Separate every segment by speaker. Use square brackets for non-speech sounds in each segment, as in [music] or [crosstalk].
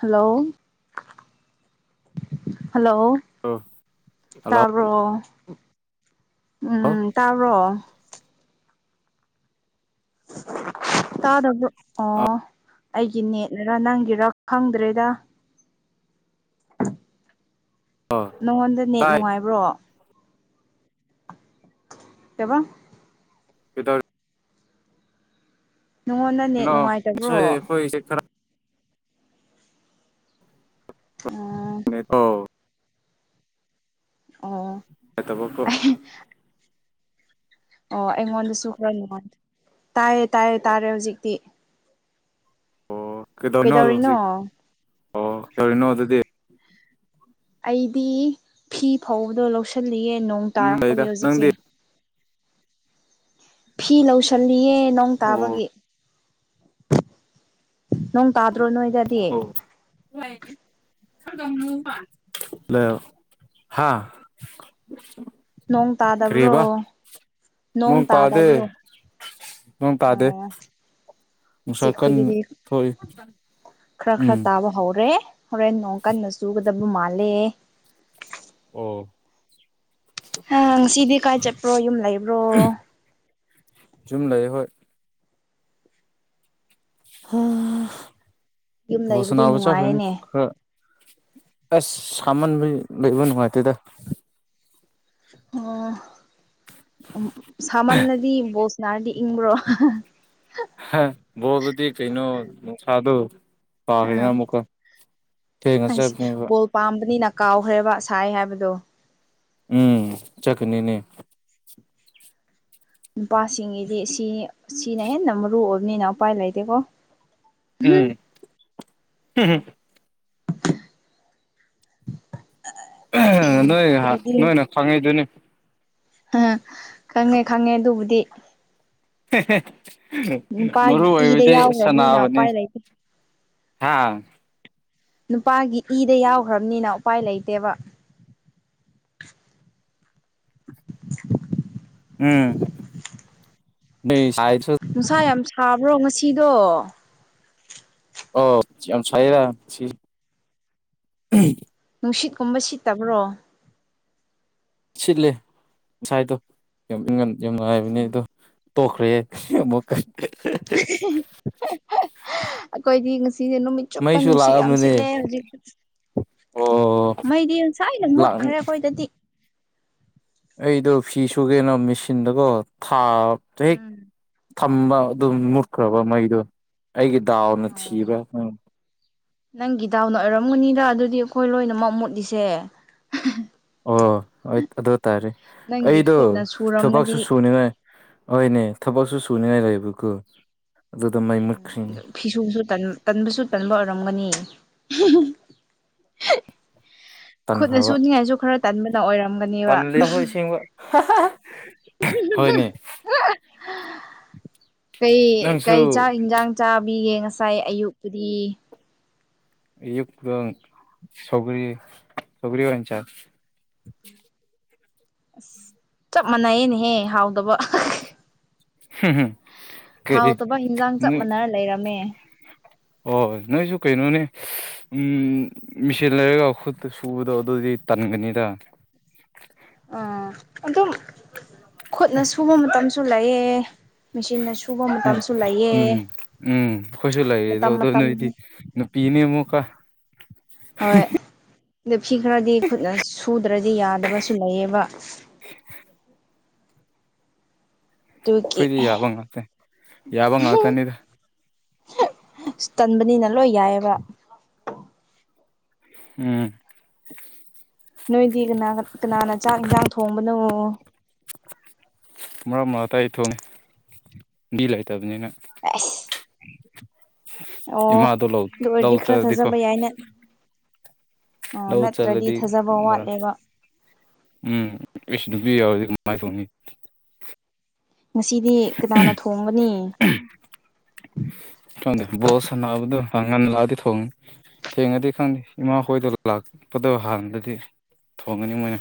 Speaker 1: hello hello
Speaker 2: [unintelligible] hello
Speaker 1: ꯇꯥꯕ꯭ꯔꯣ ꯎꯝ ꯇꯥꯕ꯭ꯔꯣ ꯇꯥꯗꯕꯔꯣ ꯑꯣ ꯑꯩꯒꯤ ꯅꯦꯠꯅꯥꯔꯥ ꯅꯪꯒꯤꯔꯥ ꯈꯪꯗ꯭ꯔꯦꯗꯥ
Speaker 2: ꯑꯣ
Speaker 1: ꯅꯉꯣꯟꯗꯥ ꯅꯦꯠ
Speaker 2: ꯇꯥꯏ
Speaker 1: ꯅꯨꯡꯉꯥꯏꯕ꯭ꯔꯣ ꯀꯩꯕꯥ
Speaker 2: [unintelligible]
Speaker 1: ꯅꯉꯣꯟꯗꯥ ꯅꯦꯠ ꯅꯨꯡꯉꯥꯏꯇꯥꯕ꯭ꯔꯣ
Speaker 2: ꯑꯥꯈꯣꯏꯒꯤ ꯁꯦ ꯈꯔꯥ
Speaker 1: ꯑꯣ
Speaker 2: ꯅꯦꯠ ꯀꯦ
Speaker 1: ꯑꯣ
Speaker 2: ꯅꯠꯇꯥꯕꯥ ꯀꯣ
Speaker 1: ꯑꯣ ꯑꯩꯉꯣꯟꯗꯥꯁꯨ ꯈꯔꯥ ꯅꯨꯡꯉꯥꯏ ꯇꯥꯏꯌꯦ ꯇꯥꯏꯌꯦ ꯇꯥꯔꯦ ꯍꯧꯖꯤꯛ
Speaker 2: ꯑꯣ ꯀꯩꯗꯧꯔꯤꯅꯣ ꯍꯧꯖꯤꯛ ꯑꯣ ꯀꯩꯗꯧꯔꯤꯅꯣ ꯑꯗꯨꯗꯤ
Speaker 1: ꯑꯩꯗꯤ ꯐꯤ ꯐꯥꯎꯕꯗꯣ ꯂꯧꯁꯤꯜꯂꯤꯌꯦ ꯅꯣꯡ
Speaker 2: ꯎꯝ ꯂꯩꯗ
Speaker 1: ꯇꯥꯔꯛꯄꯒꯤ ꯍꯧꯖꯤꯛꯁꯦ
Speaker 2: ꯅꯪꯗꯤ
Speaker 1: ꯐꯤ ꯂꯧꯁꯤꯜꯂꯤꯌꯦ ꯅꯣꯡ
Speaker 2: ꯑꯣ
Speaker 1: ꯇꯥꯕꯒꯤ ꯅꯣꯡ ꯇꯥꯗ꯭ꯔꯣ ꯅꯣꯏꯗꯗꯤ
Speaker 2: ꯍꯣꯏ [unintelligible]
Speaker 1: ꯅꯣꯡ ꯇꯥꯗꯕ꯭ꯔꯣ
Speaker 2: ꯀꯔꯤꯕ
Speaker 1: ꯅꯣꯡ ꯇꯥꯗꯕ꯭ꯔꯣ
Speaker 2: ꯅꯣꯡ ꯇꯥꯗꯦ
Speaker 1: ꯍꯧꯖꯤꯛ
Speaker 2: ꯅꯨꯡꯁꯥ ꯀꯟꯅ
Speaker 1: ꯑꯩꯈꯣꯏꯗꯗꯤ
Speaker 2: ꯊꯣꯛꯏ
Speaker 1: ꯈꯔ
Speaker 2: ꯎꯝ
Speaker 1: ꯈꯔ ꯇꯥꯕ ꯍꯧꯔꯦ ꯍꯣꯔꯦꯟ ꯅꯣꯡ ꯀꯟꯅ ꯆꯨꯒꯗꯕ ꯃꯥꯜꯂꯦ
Speaker 2: ꯑꯣ
Speaker 1: ꯑꯥ ꯉꯁꯤꯗꯤ ꯀꯥꯏ ꯆꯠꯄ꯭ꯔꯣ ꯌꯨꯝ ꯂꯩꯕ꯭ꯔꯣ
Speaker 2: ꯌꯨꯝ ꯂꯩꯌꯦ ꯍꯣꯏ
Speaker 1: ꯌꯨꯝ
Speaker 2: ꯕꯣꯜ
Speaker 1: ꯂꯩꯕꯗꯤ
Speaker 2: ꯁꯥꯅꯕ ꯆꯠꯈꯔꯅꯤ
Speaker 1: ꯅꯨꯡꯉꯥꯏꯌꯦꯅꯦ
Speaker 2: ꯈꯔ ꯑꯁ ꯁꯥꯃꯟꯕꯩ ꯂꯩꯕ ꯅꯨꯡꯉꯥꯏꯇꯦꯗ
Speaker 1: ꯑꯣ ꯁꯥꯃꯟꯂꯗꯤ ꯕꯣꯜ ꯁꯅꯥꯔꯗꯤ ꯏꯪꯕ꯭ꯔꯣ
Speaker 2: ꯕꯣꯜ ꯕꯨꯗꯤ ꯀꯩꯅꯣ ꯅꯨꯡꯁꯥꯗꯣ
Speaker 1: ꯑꯥ
Speaker 2: ꯐꯥꯈꯤꯗꯅ ꯑꯃꯨꯛꯀꯣ ꯊꯦꯡꯉ
Speaker 1: ꯍꯩꯁ
Speaker 2: ꯆꯠꯅꯦꯕ
Speaker 1: ꯕꯣꯜ ꯄꯥꯝꯕꯅꯤꯅ ꯀꯥꯎꯈ꯭ꯔꯦꯕ ꯁꯥꯏ ꯍꯥꯏꯕꯗꯣ
Speaker 2: ꯎꯝ ꯆꯠꯀꯅꯤꯅꯦ
Speaker 1: ꯅꯨꯄꯥꯁꯤꯡꯒꯤꯗꯤ ꯁꯤ ꯁꯤꯅ ꯍꯦꯟꯅ ꯃꯔꯨ ꯑꯣꯏꯕꯅꯤꯅ ꯎꯄꯥꯏ ꯂꯩꯇꯦꯀꯣ
Speaker 2: ꯎꯝ ꯅꯣꯏ
Speaker 1: ꯑꯗꯨꯗꯤ
Speaker 2: ꯅꯣꯏꯅ ꯈꯪꯉꯤꯗꯣꯅꯤ
Speaker 1: ꯑꯥ ꯈꯪꯉꯦ ꯈꯪꯉꯦ ꯑꯗꯨꯕꯨꯗꯤ
Speaker 2: ꯍꯦ ꯍꯦ
Speaker 1: ꯅꯨꯄꯥꯒꯤ
Speaker 2: ꯃꯔꯨ
Speaker 1: ꯏꯗ
Speaker 2: ꯑꯣꯏꯕꯗꯤ
Speaker 1: ꯌꯥꯎꯈ꯭ꯔꯕꯅꯤꯅ
Speaker 2: ꯁꯅꯥꯕꯅꯤ
Speaker 1: ꯎꯄꯥꯏ ꯂꯩꯇꯦ
Speaker 2: ꯍꯥꯥ
Speaker 1: ꯅꯨꯄꯥꯒꯤ ꯏꯗ ꯌꯥꯎꯈ꯭ꯔꯕꯅꯤꯅ ꯎꯄꯥꯏ ꯂꯩꯇꯦꯕ [unintelligible]
Speaker 2: ꯎꯝ [unintelligible]
Speaker 1: ꯅꯨꯡꯁꯥ ꯌꯥꯝ ꯁꯥꯕ꯭ꯔꯣ ꯉꯁꯤꯗꯣ
Speaker 2: ꯑꯣ ꯌꯥꯝ ꯁꯥꯏꯗ ꯉꯁꯤ
Speaker 1: ꯅꯨꯡꯁꯤꯠꯀꯨꯝꯕ ꯁꯤꯠꯇꯕ꯭ꯔꯣ
Speaker 2: ꯁꯤꯠꯂꯦ ꯉꯁꯥꯏꯗꯣ ꯌꯥꯝ ꯌꯥꯝ ꯅꯨꯡꯉꯥꯏꯕꯅꯦ ꯑꯗꯣ ꯇꯣꯛꯈ꯭ꯔꯦ ꯑꯃꯨꯛꯀꯥ [unintelligible]
Speaker 1: ꯑꯩꯈꯣꯏꯗꯤ ꯉꯁꯤꯁꯦ ꯅꯨꯃꯤꯠ ꯆꯨꯞꯄ
Speaker 2: ꯃꯩꯁꯨ
Speaker 1: ꯅꯨꯡꯁꯤꯠ ꯌꯥꯝ
Speaker 2: ꯂꯥꯛꯑꯝꯕꯅꯦ
Speaker 1: ꯁꯤꯠꯂꯦ ꯍꯧꯖꯤꯛ
Speaker 2: ꯑꯣ
Speaker 1: ꯃꯩꯗꯤ ꯉꯁꯥꯏꯅ ꯃꯨꯠꯈ꯭ꯔꯦ ꯑꯩꯈꯣꯏꯗꯗꯤ
Speaker 2: ꯑꯩꯗꯣ ꯐꯤ ꯁꯨꯒꯦꯅ ꯃꯦꯆꯤꯟꯗꯀꯣ ꯊꯥꯕ ꯍꯦꯛ
Speaker 1: ꯎꯝ
Speaker 2: ꯊꯝꯕ ꯑꯗꯨꯝ ꯃꯨꯠꯈ꯭ꯔꯕ ꯃꯩꯗꯣ ꯑꯩꯒꯤ ꯗꯥꯎꯅ
Speaker 1: ꯑꯣ
Speaker 2: ꯊꯤꯕ ꯎꯝ
Speaker 1: ꯅꯪꯒꯤ ꯗꯥꯎꯅ ꯑꯣꯏꯔꯝꯒꯅꯤꯗ ꯑꯗꯨꯗꯤ ꯑꯩꯈꯣꯏ ꯂꯣꯏꯅꯃꯛ ꯃꯨꯠꯂꯤꯁꯦ
Speaker 2: ꯑꯣ ꯑꯗꯨ ꯑꯣꯏ ꯇꯥꯔꯦ
Speaker 1: ꯅꯪꯒꯤ
Speaker 2: ꯑꯩꯗꯣ
Speaker 1: ꯈꯨꯠꯅ
Speaker 2: ꯊꯕꯛꯁꯨ
Speaker 1: ꯁꯨꯔꯝꯃꯗꯤ
Speaker 2: ꯁꯨꯅꯤꯉꯥꯏ ꯍꯣꯏꯅꯦ ꯊꯕꯛꯁꯨ ꯁꯨꯅꯤꯉꯥꯏ ꯂꯩꯕ ꯑꯗꯨꯗ ꯃꯩ ꯃꯨꯠꯈ꯭ꯔꯤꯅꯤ
Speaker 1: ꯐꯤꯁꯨ ꯁꯨꯕ ꯇꯟꯕꯁꯨ ꯇꯟꯕ ꯑꯣꯏꯔꯝꯒꯅꯤ ꯈꯨꯠꯅ
Speaker 2: ꯇꯟꯈ꯭ꯔꯕ
Speaker 1: ꯁꯨꯅꯤꯡꯉꯥꯏꯁꯨ ꯈꯔ ꯇꯟꯕꯅ ꯑꯣꯏꯔꯝ
Speaker 2: ꯇꯜꯂꯦ ꯍꯣꯏ ꯑꯁꯦꯡꯕ ꯍꯣꯏꯅꯦ
Speaker 1: ꯀꯩ
Speaker 2: ꯅꯪꯁꯨ
Speaker 1: ꯀꯩ ꯆꯥꯛ ꯌꯦꯟꯖꯥꯡ ꯆꯥꯕꯤꯌꯦ ꯉꯁꯥꯏ ꯑꯌꯨꯛꯄꯨꯗꯤ
Speaker 2: ꯑꯌꯨꯛꯇ ꯁꯧꯒꯔꯤ ꯁꯧꯒꯔꯤ ꯑꯣꯏꯅ ꯆꯥꯏ
Speaker 1: ꯑꯁ ꯆꯞ ꯃꯥꯟꯅꯩꯌꯦꯅꯦꯍꯦ ꯍꯥꯎꯗꯕ
Speaker 2: ꯍꯝ ꯍꯝ
Speaker 1: ꯍꯥꯎꯇꯕ ꯏꯟꯖꯥꯡ ꯆꯞ ꯃꯥꯟꯅꯅ ꯂꯩꯔꯝꯃꯦ
Speaker 2: ꯑꯣ ꯅꯣꯏꯁꯨ ꯀꯩꯅꯣꯅꯦ ꯎꯝ ꯃꯦꯆꯤꯟ ꯂꯩꯔꯒ ꯈꯨꯠꯇ ꯁꯨꯕꯗꯣ ꯑꯗꯨꯗꯤ ꯇꯟꯒꯅꯤꯗ
Speaker 1: ꯎ ꯑꯗꯨꯝ ꯈꯨꯠꯅ ꯁꯨꯕ ꯃꯇꯝꯁꯨ ꯂꯩꯌꯦ ꯃꯦꯆꯤꯟꯅ ꯁꯨꯕ ꯃꯇꯝꯁꯨ ꯂꯩꯌꯦ
Speaker 2: ꯎꯝ ꯎꯝ ꯀꯣꯏꯁꯨ
Speaker 1: ꯃꯇꯝ
Speaker 2: ꯂꯩꯌꯦꯗꯣꯗꯣ ꯅꯣꯏꯗꯤ
Speaker 1: ꯃꯇꯝꯅꯤ
Speaker 2: ꯄꯤꯅꯦ ꯃꯣꯛꯀꯥ
Speaker 1: ꯍꯣꯏ ꯑ ꯐꯤ ꯈꯔꯗꯤ ꯈꯨꯠꯅ ꯁꯨꯗ꯭ꯔꯗꯤ ꯌꯥꯗꯕꯁꯨ ꯂꯩꯌꯦꯕ
Speaker 2: [unintelligible]
Speaker 1: ꯑꯗꯨꯒꯤ
Speaker 2: ꯑꯩꯈꯣꯏꯗꯤ ꯌꯥꯕ ꯉꯥꯛꯇ ꯌꯥꯕ ꯉꯥꯛꯇꯅꯤꯗ
Speaker 1: ꯇꯟꯕꯅꯤꯅ ꯂꯣꯏ ꯌꯥꯏꯑꯕ
Speaker 2: ꯎꯝ
Speaker 1: ꯅꯣꯏꯗꯤ ꯀꯅꯥ ꯀꯅꯥꯅ ꯆꯥꯛ ꯌꯦꯟꯖꯥꯡ ꯊꯣꯡꯕꯅꯣ
Speaker 2: ꯃꯔꯛ ꯃꯔꯥꯛꯇꯥ ꯑꯩ ꯊꯣꯡꯏ ꯃꯤ ꯂꯩꯇꯕꯅꯤꯅ
Speaker 1: ꯑꯁ ꯑꯣ
Speaker 2: ꯏꯃꯥꯗꯣ ꯂꯧ
Speaker 1: ꯑꯗꯨ ꯑꯣꯏꯔꯗꯤ
Speaker 2: ꯂꯧ
Speaker 1: ꯈꯔ
Speaker 2: ꯆꯠꯂꯗꯤꯀꯣ
Speaker 1: ꯊꯥꯖꯕ ꯌꯥꯏꯅ ꯑꯣ
Speaker 2: ꯂꯧ
Speaker 1: ꯅꯠꯇ꯭ꯔꯗꯤ
Speaker 2: ꯆꯂꯗꯤ
Speaker 1: ꯊꯥꯖꯕ
Speaker 2: ꯃꯔ
Speaker 1: ꯋꯥꯠꯂꯦꯕ
Speaker 2: ꯎꯝ ꯑꯩꯁꯨ ꯅꯨꯄꯤ ꯌꯥꯎꯔꯗꯤ ꯀꯃꯥꯏꯅ ꯇꯧꯅꯤ
Speaker 1: ꯉꯁꯤꯗꯤ ꯀꯅꯥꯅ ꯊꯣꯡꯒꯅꯤ
Speaker 2: ꯆꯗꯦ ꯣꯁꯅꯕꯗ ꯍꯪꯉꯟ ꯂꯥꯛꯗꯤ ꯊꯣꯡꯉ ꯊꯦꯡꯉꯗꯤ ꯈꯪꯗꯦ ꯏꯃꯥ ꯍꯣꯏꯗꯣ ꯂꯥꯛꯄꯗ ꯍꯥꯟꯅꯗꯗꯤ ꯊꯣꯡꯉꯅꯤ ꯃꯣꯏꯅ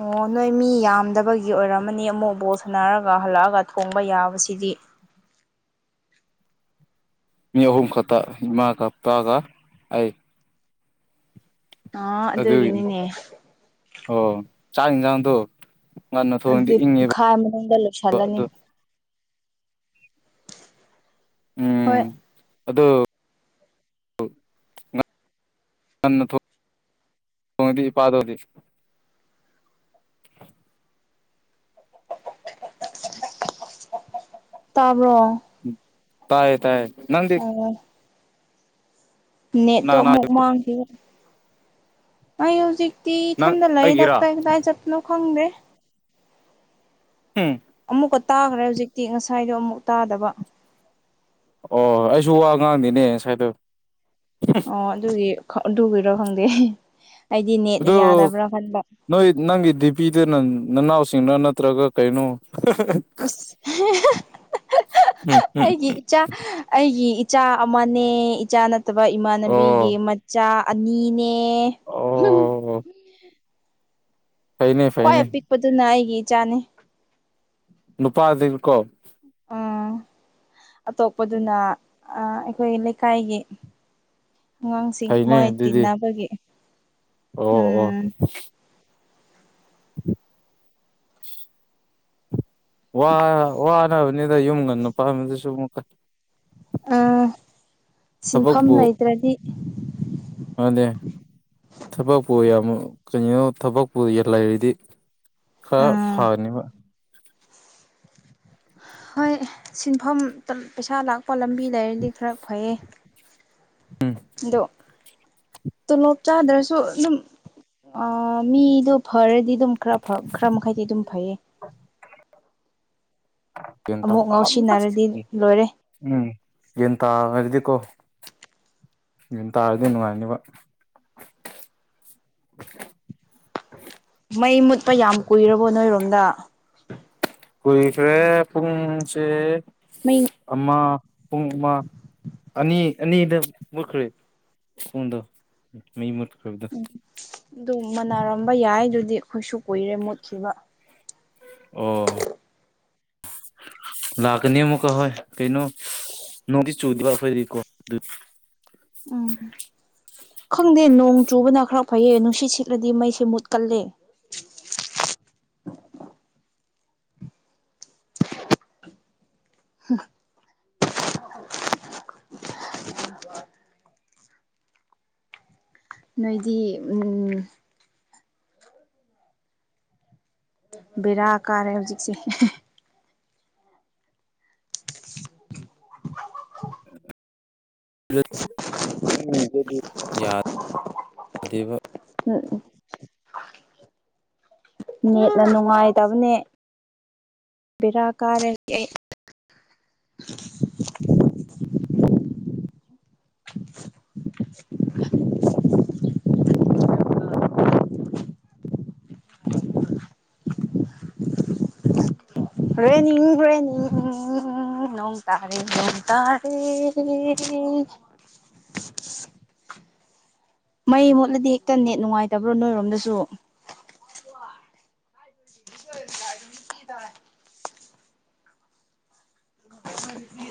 Speaker 1: ꯑꯣ ꯅꯣꯏ ꯃꯤ ꯌꯥꯝꯗꯕꯒꯤ ꯑꯣꯏꯔꯝꯃꯅꯤ ꯑꯃꯨꯛ ꯕꯣꯠ ꯁꯥꯟꯅꯔꯒ ꯍꯜꯂꯛꯑꯒ ꯊꯣꯡꯕ ꯌꯥꯕꯁꯤꯗꯤ
Speaker 2: ꯃꯤ ꯑꯍꯨꯝ ꯈꯇꯥ ꯏꯃꯥ ꯏꯄꯥꯒ ꯑꯩ
Speaker 1: ꯑ
Speaker 2: ꯑꯗꯨꯒꯤꯅꯤ
Speaker 1: ꯑꯗꯨꯒꯤꯅꯤꯅꯦ
Speaker 2: ꯑꯣ ꯆꯥꯛ ꯌꯦꯟꯁꯥꯡꯗꯣ ꯉꯟꯅ ꯊꯣꯡꯗꯤ
Speaker 1: ꯑꯗꯨꯗꯤ
Speaker 2: ꯏꯪꯉꯦꯕ
Speaker 1: ꯄꯨꯡꯈꯥꯏ ꯃꯅꯨꯡꯗ ꯂꯣꯏꯁꯤꯜꯂꯅꯤ
Speaker 2: ꯑꯗꯨ ꯎꯝ
Speaker 1: ꯍꯣꯏ
Speaker 2: ꯑꯗ‌ꯣ ꯉꯟꯅ ꯊꯣ ꯗꯤ ꯏꯄꯥꯗ‌ꯣꯗꯤ
Speaker 1: ꯇꯥꯕ꯭ꯔ‌ꯣ
Speaker 2: ꯇꯥꯏꯌ‌ꯦ ꯇꯥꯏꯌ‌ꯦ ꯅꯪꯗꯤ
Speaker 1: ꯑꯣ
Speaker 2: ꯀꯅꯥ
Speaker 1: ꯅꯦꯠꯇꯣ
Speaker 2: ꯀꯅꯥ
Speaker 1: ꯑꯃꯨꯛ ꯃꯥꯡꯈꯤꯕ ꯑꯩ ꯍꯧꯖꯤꯛ ꯇꯤ
Speaker 2: ꯅꯪ
Speaker 1: ꯏꯊꯟꯗ ꯂꯩꯗ
Speaker 2: ꯑꯩꯒꯤꯔꯥ
Speaker 1: ꯀꯗꯥꯏ ꯀꯗꯥꯏ ꯆꯠꯄꯅꯣ ꯈꯪꯗꯦ
Speaker 2: ꯎꯝ
Speaker 1: ꯑꯃꯨꯛꯀ ꯇꯥꯈ꯭ꯔꯦ ꯍꯧꯖꯤꯛꯇꯤ ꯉꯁꯥꯏꯗꯣ ꯑꯃꯨꯛ ꯇꯥꯗꯕ
Speaker 2: ꯑꯣ ꯑꯩꯁꯨ ꯋꯥ ꯉꯥꯡꯗ‌ꯦꯅꯦ ꯉꯁꯥꯏꯗ‌ꯣ
Speaker 1: ꯑꯣ ꯑꯗꯨꯒꯤ ꯑꯗꯨꯒꯤꯔꯣ ꯈꯪꯗꯦ ꯑꯩꯗꯤ ꯅꯦꯠꯅ
Speaker 2: ꯑꯗꯨ
Speaker 1: ꯌꯥꯗꯕ꯭ꯔꯥ ꯈꯟꯕ
Speaker 2: ꯅꯣꯏ ꯅꯪꯒꯤ ꯗꯤꯄꯤꯗꯨ ꯅꯪ ꯅꯅꯥꯎꯁꯤꯡꯔꯥ ꯅꯠꯇ꯭ꯔꯒ ꯀꯩꯅꯣ
Speaker 1: ꯑꯁ
Speaker 2: ꯎꯝ ꯎꯝ
Speaker 1: ꯑꯩꯒꯤ ꯏꯆꯥ ꯑꯩꯒꯤ ꯏꯆꯥ ꯑꯃꯅꯦ ꯏꯆꯥ ꯅꯠꯇꯕ ꯏꯃꯥꯟꯅꯕꯤꯒꯤ
Speaker 2: ꯑꯣ
Speaker 1: ꯃꯆꯥ ꯑꯅꯤꯅꯦ
Speaker 2: ꯑꯣ ꯐꯩꯅꯦ
Speaker 1: ꯈ꯭ꯋꯥꯏ
Speaker 2: ꯐꯩꯅꯦ
Speaker 1: ꯑꯄꯤꯛꯄꯗꯨꯅ ꯑꯩꯒꯤ ꯏꯆꯥꯅꯤ
Speaker 2: ꯅꯨꯄꯥꯗꯤꯕꯀ‌ꯣ
Speaker 1: ꯎꯝ ꯑꯇꯣꯞꯄꯗꯨꯅ ꯑꯩ ꯑꯩꯈꯣꯏꯒꯤ ꯂꯩꯀꯥꯏꯒꯤ ꯑꯉꯥꯡꯁꯤꯡ
Speaker 2: ꯐꯩꯅꯦ
Speaker 1: ꯃ‌ꯣꯏ
Speaker 2: ꯑꯗꯨꯗꯤ
Speaker 1: ꯇꯤꯟꯅꯕꯒꯤ
Speaker 2: ꯑꯣ ꯑꯣ
Speaker 1: ꯎꯝ
Speaker 2: [inaudible] ꯋꯥ ꯋꯥꯅꯕꯅꯤꯗ ꯌꯨꯝ ꯉꯟꯅ ꯄꯥꯟꯕꯗꯨꯁꯨ ꯀꯠ
Speaker 1: ꯁꯤꯟꯐꯝ ꯂꯩꯇ꯭ꯔꯗꯤ
Speaker 2: ꯑꯗꯨꯗ‌ꯦ ꯊꯕꯛꯄꯨ ꯌꯥꯝ ꯀꯩꯅꯣ ꯊꯕꯛꯄꯨ ꯂꯩꯔꯗꯤ ꯈꯔ
Speaker 1: ꯎꯝ
Speaker 2: ꯐꯅꯦꯕ
Speaker 1: ꯍꯣꯏ ꯁꯤꯟꯐꯝ ꯄꯩꯁꯥ ꯂꯥꯛꯄ ꯂꯝꯕꯤ ꯂꯩꯔꯗꯤ ꯈꯔ ꯐꯩꯌꯦ ꯗꯣ ꯇꯣꯂꯣꯞ ꯆꯥꯗ꯭ꯔꯁꯨ ꯗꯨꯝ ꯑꯥ ꯃꯤꯗꯣ ꯐꯔꯗꯤ ꯗꯨꯝ ꯈꯔ ꯐꯩ ꯈꯔ ꯃꯈꯩꯗꯤ ꯑꯗꯨꯝ ꯐꯩꯌꯦ
Speaker 2: ꯒ꯭ꯌꯥꯟ
Speaker 1: ꯑꯃꯨꯛ
Speaker 2: ꯇꯥꯕ
Speaker 1: ꯉꯥꯎꯁꯤꯟꯅꯔꯗꯤ ꯂꯣꯏꯔꯦ
Speaker 2: ꯎꯝ ꯒ꯭ꯌꯥꯟ ꯇꯥꯕꯗꯗꯤꯀꯣ ꯒ꯭ꯌꯥꯟ ꯇꯥꯔꯗꯤ ꯅꯨꯡꯉꯥꯏꯅꯤꯕ
Speaker 1: ꯃꯩ ꯃꯨꯠꯄ ꯌꯥꯝ ꯀꯨꯏꯔꯕꯣ ꯅꯣꯏꯔꯣꯝꯗ
Speaker 2: ꯀꯨꯏꯈꯔꯦ ꯄꯨꯡꯁꯦ
Speaker 1: ꯃꯤꯡ
Speaker 2: ꯑꯃ ꯄꯨꯡ ꯑꯃ ꯑꯅꯤ ꯑꯅꯤꯗ ꯃꯨꯠꯈ꯭ꯔꯦ ꯄꯨꯡꯗꯣ ꯃꯩ ꯃꯨꯈ꯭ꯔꯕꯗꯣ
Speaker 1: ꯑꯗꯨ ꯃꯥꯟꯅꯔꯝꯕ ꯌꯥꯏꯗꯨꯗꯤ ꯈꯣꯏꯁꯨ ꯀꯨꯏꯔꯦ ꯃꯨꯠꯈꯤꯕ
Speaker 2: ꯑꯣ ꯂꯥꯛꯀꯅꯤ ꯃꯨꯛꯀ ꯍꯣꯏ ꯀꯩꯅꯣ ꯅ‌ꯣꯡꯗꯤ ꯆꯨꯗꯕ ꯈ‌ꯣꯏꯗꯤꯀꯣ ꯗꯨ
Speaker 1: ꯎꯝ ꯈꯪꯗꯦ ꯅꯣꯡ ꯆꯨꯕꯅ ꯈꯔ ꯐꯩꯌꯦ ꯅꯨꯡꯁꯤꯠ ꯁꯤꯠꯂꯗꯤ ꯃꯩꯁꯦ ꯃꯨꯠꯀꯜꯂꯦ [unintelligible] [inaudible] ꯅꯣꯏꯗꯤ ꯎꯝ ꯕꯦꯔꯥ ꯀꯥꯔꯦ ꯍꯧꯖꯤꯛꯁꯦ [inaudible]
Speaker 2: [unintelligible]
Speaker 1: ꯎꯝꯗꯗꯤ
Speaker 2: ꯌꯥꯗꯦꯕ
Speaker 1: ꯎꯝ ꯎ ꯅꯦꯠꯅ ꯅꯨꯡꯉꯥꯏꯇꯕꯅꯦ ꯕꯦꯔꯥ ꯀꯥꯔꯦ ꯑꯩ [inaudible] [inaudible] ꯍꯣꯔꯦꯟꯅꯤꯡꯕ꯭ꯔꯥ ꯅꯤꯡ ꯎꯝ ꯅꯣꯡ ꯇꯥꯔꯦ ꯅꯣꯡ ꯇꯥꯔꯦ ꯃꯩ ꯃꯣꯠꯂꯗꯤ ꯍꯦꯛꯇ ꯅꯦꯠ ꯅꯨꯡꯉꯥꯏꯇꯕ꯭ꯔꯣ ꯅꯣꯏꯔꯣꯝꯗꯁꯨ [unintelligible] ꯃꯤꯊꯤ ꯇꯥꯏ [unintelligible]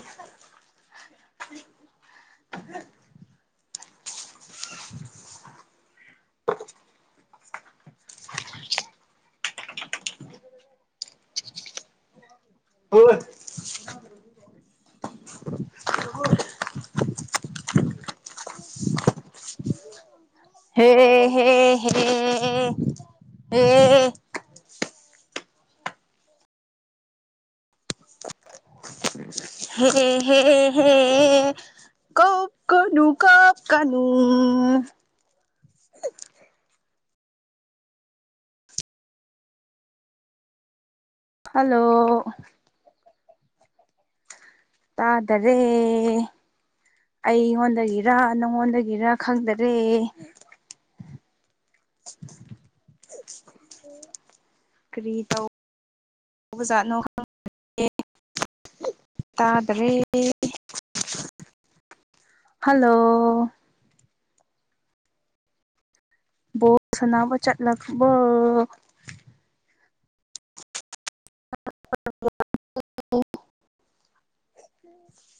Speaker 1: ꯑꯣꯏ ꯍꯦ ꯍꯦ ꯑꯦ ꯍꯦ ꯑꯦ ꯍꯦ ꯍꯦ ꯍꯦ ꯀꯞ ꯀꯅꯨ ꯀꯞ ꯀꯅꯨ ꯍꯜꯂꯣ ꯇꯥꯗꯔꯦ ꯑꯩꯉꯣꯟꯗꯒꯤꯔ ꯅꯪꯉꯣꯟꯗꯒꯤꯔ ꯈꯪꯗꯔꯦ ꯀ꯭ꯔꯤ ꯇꯧ ꯕꯖꯥꯠꯅꯣ ꯈꯪ [unintelligible] ꯇꯥꯗꯔꯦ ꯍꯜꯂꯣ ꯕꯣ ꯁꯅꯥꯕ ꯆꯠꯂꯥꯛꯕꯣ [unintelligible] [unintelligible]